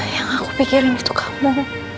yang aku pikirin itu kamu